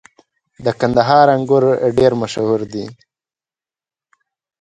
• د کندهار انګور ډېر مشهور دي.